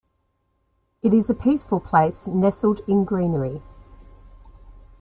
It is a peaceful place nestled in greenery.